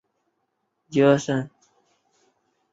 小型的便携式工具箱有时被称为手提箱或便携式工具箱。